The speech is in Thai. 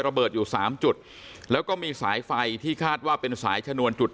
ระเบิดอยู่สามจุดแล้วก็มีสายไฟที่คาดว่าเป็นสายชนวนจุด